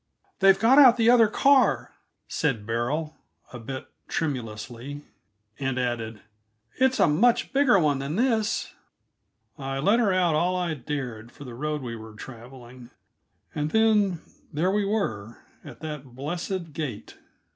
"They've got out the other car," said Beryl, a bit tremulously; and added, "it's a much bigger one than this." I let her out all I dared for the road we were traveling; and then there we were, at that blessed gate.